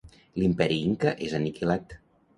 L'imperi Inca és aniquilat.